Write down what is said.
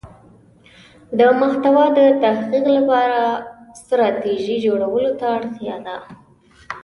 د محتوا د تحقق لپاره ستراتیژی جوړولو ته اړتیا ده.